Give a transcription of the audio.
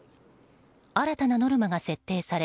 新たなノルマが設定され